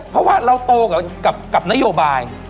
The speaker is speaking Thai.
เพราะว่าเราโตกับนโยบาย